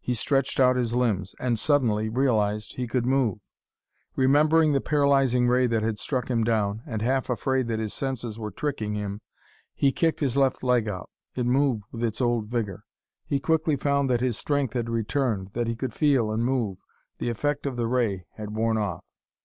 He stretched out his limbs and, suddenly, realized he could move. Remembering the paralyzing ray that had struck him down, and half afraid that his senses were tricking him, he kicked his left leg out. It moved with its old vigor. He quickly found that his strength had returned, that he could feel and move. The effect of the ray had worn off!